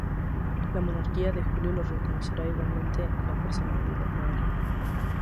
La Monarquía de Julio los reconocerá igualmente la personalidad moral.